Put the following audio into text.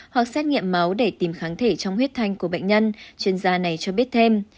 hoặc xét nghiệm máu để tìm kháng thể trong huyết thanh của bệnh nhân chuyên gia này cho biết thêm